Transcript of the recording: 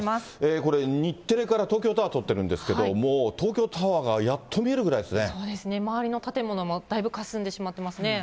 これ、日テレから東京タワー撮ってるんですけど、もう東京タワーがやっそうですね、周りの建物もだいぶかすんでしまっていますね。